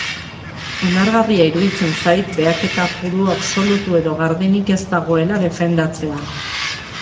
Onargarria iruditzen zait behaketa puru, absolutu edo gardenik ez dagoela defendatzea.